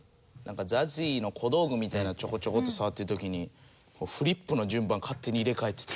ＺＡＺＹの小道具みたいなのちょこちょこっと触ってる時にフリップの順番勝手に入れ替えてた。